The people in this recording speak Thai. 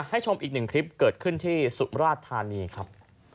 ชมอีกหนึ่งคลิปเกิดขึ้นที่สุมราชธานีครับ